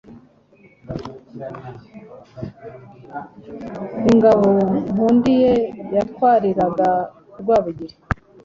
Ingabo Nkundiye yatwariraga Rwabugiri